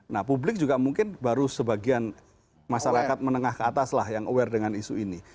nah publik juga mungkin baru sebagian masyarakat menengah ke atas lah yang aware dengan isu ini